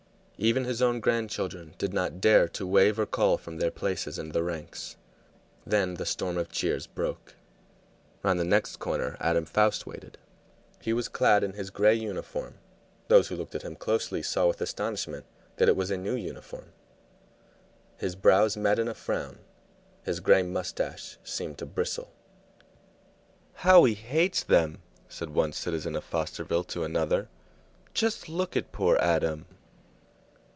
Even his own grand children did not dare to wave or call from their places in the ranks. Then the storm of cheers broke. Round the next corner Adam Foust waited. He was clad in his gray uniform those who looked at him closely saw with astonishment that it was a new uniform; his brows met in a frown, his gray moustache seemed to bristle. "How he hates them!" said one citizen of Fosterville to another. "Just look at poor Adam!"